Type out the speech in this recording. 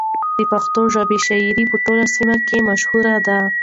د پښتو ژبې شاعري په ټوله سیمه کې مشهوره ده.